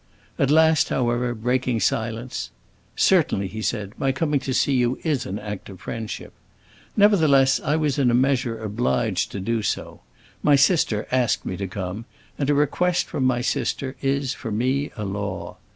At last, however, breaking silence,—"Certainly," he said, "my coming to see you is an act of friendship. Nevertheless I was in a measure obliged to do so. My sister asked me to come, and a request from my sister is, for me, a law.